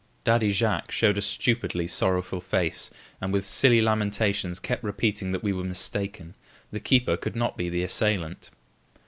Daddy Jacques showed a stupidly sorrowful face and with silly lamentations kept repeating that we were mistaken the keeper could not be the assailant.